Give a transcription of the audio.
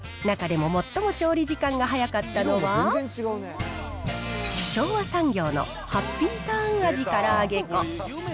中でも最も調理時間が早かったのは、昭和産業のハッピーターン味から揚げ粉。